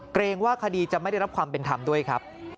เกรงว่าคดีจะไม่ได้รับความเป็นธรรมด้วยครับ